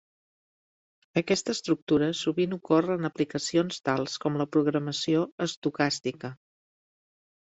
Aquesta estructura sovint ocorre en aplicacions tals com la programació estocàstica.